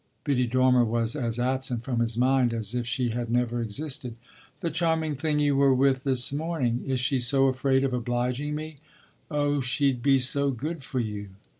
Biddy Dormer was as absent from his mind as if she had never existed. "The charming thing you were with this morning. Is she so afraid of obliging me? Oh she'd be so good for you!"